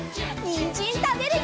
にんじんたべるよ！